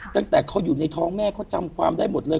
ตั้งแต่เขาอยู่ในท้องแม่เขาจำความได้หมดเลย